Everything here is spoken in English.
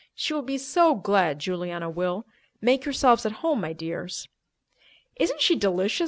She will be so glad, Juliana will. Make yourselves at home, my dears." "Isn't she delicious?"